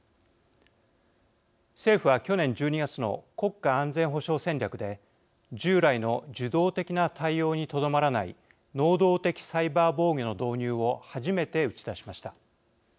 政府は去年１２月の国家安全保障戦略で従来の受動的な対応にとどまらない能動的サイバー防御の導入を初めて打ち出しました。